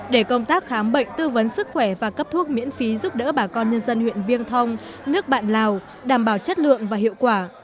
để công tác khám bệnh tư vấn sức khỏe và cấp thuốc miễn phí giúp đỡ bà con nhân dân huyện viên thong nước bạn lào đảm bảo chất lượng và hiệu quả